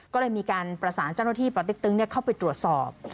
ก็เลยมีการประสานเจ้าหน้าที่ปติ๊กตึงเข้าไปตรวจสอบ